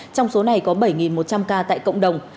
trong số này có bảy một trăm linh ca tại cộng đồng